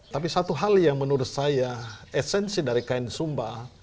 tapi satu hal yang menurut saya esensi dari kain sumba